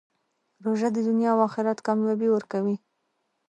روژه د دنیا او آخرت کامیابي ورکوي.